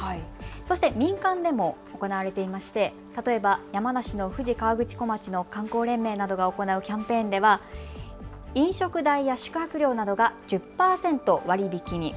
そして民間でも行われていまして例えば、山梨の富士河口湖町の観光連盟などが行うキャンペーンでは飲食代や宿泊料などが１０％割引に。